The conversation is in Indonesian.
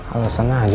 alasan aja nih enak ya